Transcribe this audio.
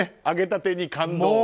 揚げたてに感動。